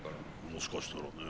もしかしたらね。